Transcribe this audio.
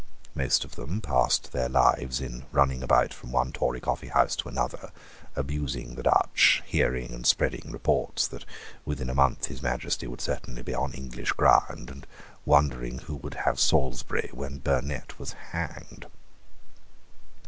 Most of them passed their lives in running about from one Tory coffeehouse to another, abusing the Dutch, hearing and spreading reports that within a month His Majesty would certainly be on English ground, and wondering who would have Salisbury when Burnet was hanged.